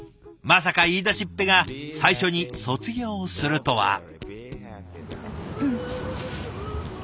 まさか言いだしっぺが最初に卒業するとは。